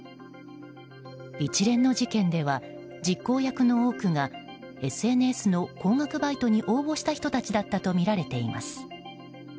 一連の事件では実行役の多くがＳＮＳの高額バイトに応募した人たちだったとみられています。